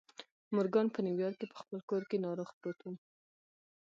مورګان په نیویارک کې په خپل کور کې ناروغ پروت و